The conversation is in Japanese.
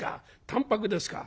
淡泊ですか。